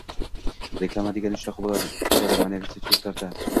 Reklama degani shunaqa bo‘ladi, ma’naviyatsiz yurtlarda